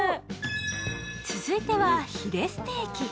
続いてはヒレステーキ。